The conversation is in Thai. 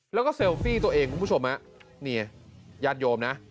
แล้วก็เซลฟี่ตัวเองคุณผู้ชมฮะเนี่ยญาติโยมนะ